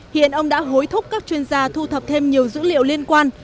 hiện ông đã hối thúc các chuyên gia thu thập thêm nhiều dữ liệu liên quan